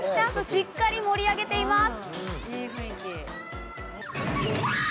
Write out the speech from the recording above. しっかり盛り上げています。